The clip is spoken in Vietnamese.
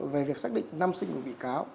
về việc xác định năm sinh của bị cáo